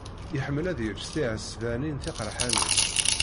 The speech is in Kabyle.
Iḥemmel ad yečč tiɛesbanin tiqeṛḥanin.